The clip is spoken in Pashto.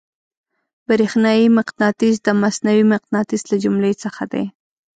برېښنايي مقناطیس د مصنوعي مقناطیس له جملې څخه دی.